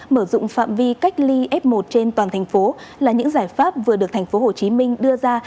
mở rụng phạm vi cách ly f một trên toàn thành phố là những giải pháp vừa được thành phố hồ chí minh đưa ra